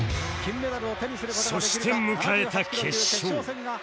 そして迎えた決勝